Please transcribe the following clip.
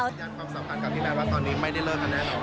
มันยังความสำคัญกับพี่แมนว่าตอนนี้ไม่ได้เริ่มค่ะแน่นอน